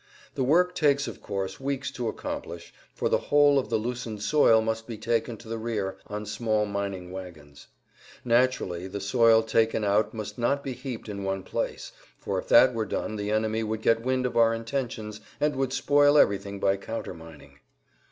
The work takes of course weeks to accomplish, for the whole of the loosened soil must be taken to the rear on small mining wagons. Naturally, the soil taken out must not be heaped in one place, for if that were done the enemy would get wind of our intentions and would spoil everything by countermining.